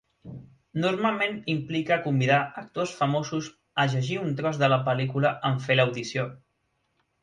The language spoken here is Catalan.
Normalment implica convidar actors famosos a llegir un tros de la pel·lícula en fer l'audició.